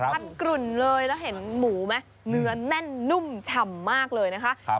มันกลุ่นเลยแล้วเห็นหมูไหมเนื้อแน่นนุ่มฉ่ำมากเลยนะคะ